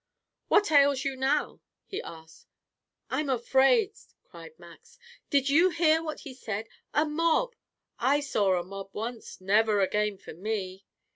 "What ails you now?" he asked. "I'm afraid," cried Max. "Did you hear what he said? A mob. I saw a mob once. Never again for me."